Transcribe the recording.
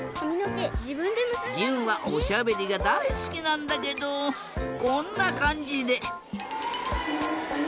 じゅんはおしゃべりがだいすきなんだけどこんなかんじで。